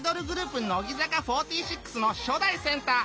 乃木坂４６のしょだいセンター